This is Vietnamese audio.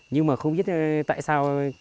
nhưng mà không biết tại sao